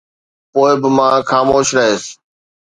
پوءِ به مان خاموش رهيس